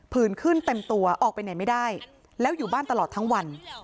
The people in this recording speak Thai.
ื่นขึ้นเต็มตัวออกไปไหนไม่ได้แล้วอยู่บ้านตลอดทั้งวัน